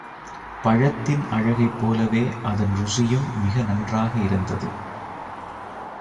பழத்தின் அழகைப் போலவே அதன் ருசியும் மிக நன்றாக இருந்தது.